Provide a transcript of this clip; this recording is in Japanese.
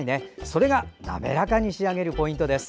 それが滑らかに仕上げるポイントです。